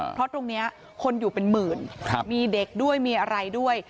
เพราะตรงนี้คนอยู่เป็นหมื่นมีเด็กด้วยมีอะไรด้วย